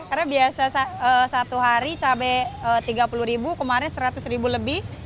karena biasa satu hari cabai tiga puluh ribu kemarin seratus ribu lebih